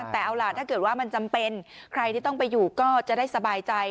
แต่เอาล่ะถ้าเกิดว่ามันจำเป็นใครที่ต้องไปอยู่ก็จะได้สบายใจ